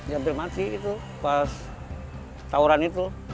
diambil mati itu pas tawuran itu